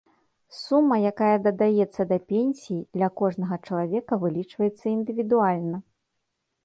Сума, якая дадаецца да пенсіі, для кожнага чалавека вылічваецца індывідуальна.